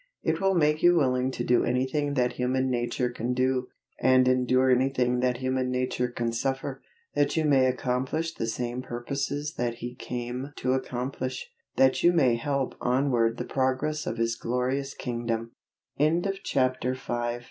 It will make you willing to do anything that human nature can do, and endure anything that human nature can suffer, that you may accomplish the same purposes that He came to accomplish, that you may help onward the progress of His glorious kingdom. CHAPTER VI. CHARITY AND LONELINESS.